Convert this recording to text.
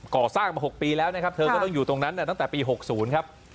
ก่อสร้างมา๖ปีแล้วนะครับเธอก็ต้องอยู่ตรงนั้นตั้งแต่ปี๖๐ครับ